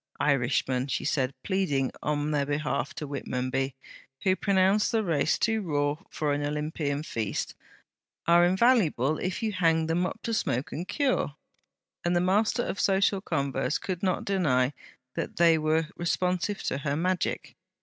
'Irishmen;' she said, pleading on their behalf to Whitmonby, who pronounced the race too raw for an Olympian feast, 'are invaluable if you hang them up to smoke and cure'; and the master of social converse could not deny that they were responsive to her magic.